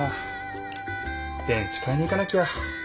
電池買いに行かなきゃ。